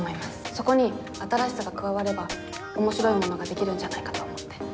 そこに新しさが加われば面白いものができるんじゃないかと思って。